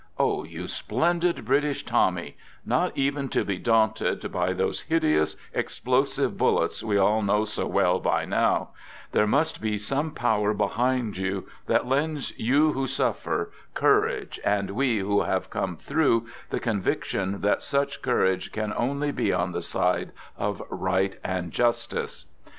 Oh, you splendid British Tommy — not even to be daunted by those hideous explosive bullets we all know so well by now — there must be some Power behind you that lends you who suffer courage and we who have "come through " the conviction that such courage can only be on the side of right and justice.